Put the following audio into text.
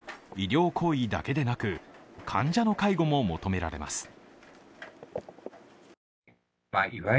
病院のスタッフには医療行為だけでなく患者の介護も求められます。